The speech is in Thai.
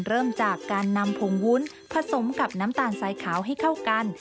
เริ่มจากการนำผงวุ้นผสมกับน้ำตาลสายขาวให้เข้ากัน